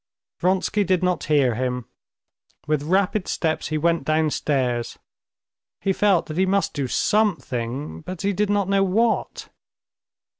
Vronsky did not hear him. With rapid steps he went downstairs; he felt that he must do something, but he did not know what.